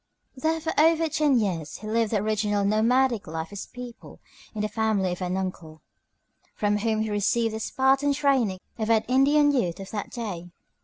There for over ten years he lived the original nomadic life of his people in the family of an uncle, from whom he received the Spartan training of an Indian youth of that day.